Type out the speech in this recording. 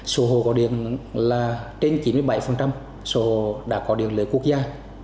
số hồ có điện là trên chín mươi bảy số hồ đã có điện lợi quốc gia